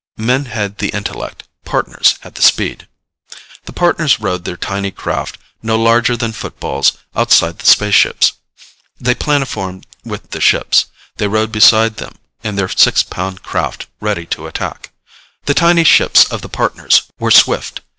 Men had the intellect. Partners had the speed. The Partners rode their tiny craft, no larger than footballs, outside the spaceships. They planoformed with the ships. They rode beside them in their six pound craft ready to attack. The tiny ships of the Partners were swift.